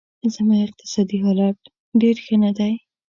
زما اقتصادي حالت ډېر ښه نه دی